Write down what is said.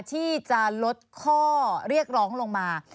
ที่จะลดข้อเรียกร้องลงมา